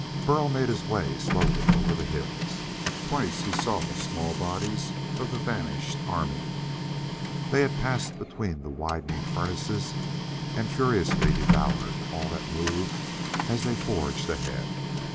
Burl made his way slowly over the hills. Twice he saw small bodies of the vanished army. They had passed between the widening furnaces and furiously devoured all that moved as they forged ahead.